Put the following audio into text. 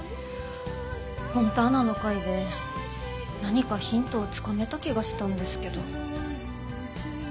フォンターナの会で何かヒントをつかめた気がしたんですけど。